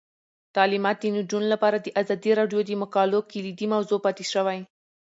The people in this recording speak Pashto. تعلیمات د نجونو لپاره د ازادي راډیو د مقالو کلیدي موضوع پاتې شوی.